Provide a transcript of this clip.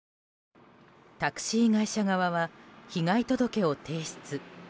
タクシー会社側は被害届を提出。